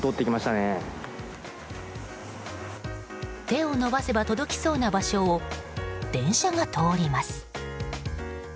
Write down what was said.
手を伸ばせば届きそうな場所を電車が通ります。